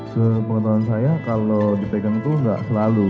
sebagai pengetahuan saya kalau dipegang itu tidak selalu